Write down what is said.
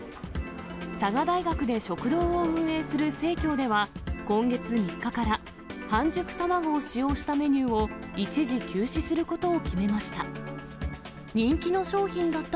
佐賀大学で食堂を運営する生協では、今月３日から半熟卵を使用したメニューを、一時休止することを決めました。